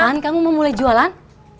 kapan kamu mau mulai jualan